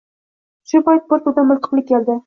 Shu payt bir to’da miltiqli keldi.